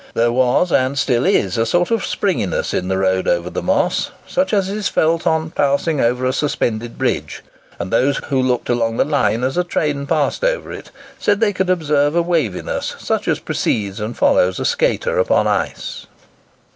There was, and still is, a sort of springiness in the road over the Moss, such as is felt in passing along a suspended bridge; and those who looked along the line as a train passed over it, said they could observe a waviness, such as precedes and follows a skater upon ice.